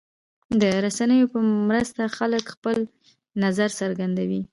د رسنیو په مرسته خلک خپل نظر څرګندوي.